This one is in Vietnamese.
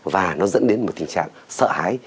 và nó dẫn đến một tình trạng sợ hãi